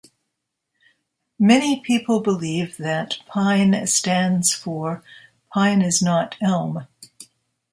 Many people believe that Pine stands for "Pine Is Not Elm".